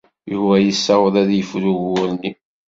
Yuba yessaweḍ ad yefru ugur-nni.